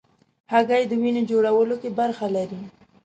هګۍ د وینې جوړولو کې برخه لري.